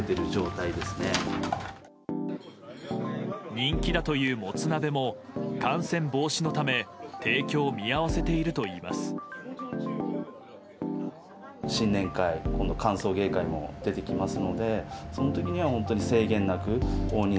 人気だという、もつ鍋も感染防止のため提供を見合わせているといいます。